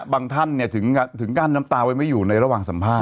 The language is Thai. บางท่านเนี่ยถึงก้านน้ำตาไว้ไม่อยู่ในระหว่างสัมภาษณ์